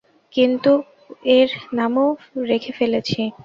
কিন্তু এর নামও রেখে ফেলেছি।